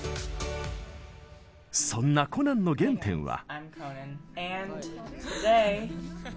そんなコナンの原点は。